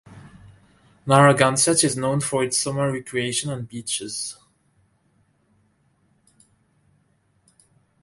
Narragansett is known for its summer recreation and beaches.